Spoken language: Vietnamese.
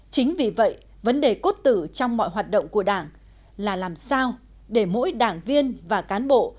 chính vì vậy vấn đề cốt tử trong mọi hoạt động của đảng là làm sao để mỗi đảng viên và cán bộ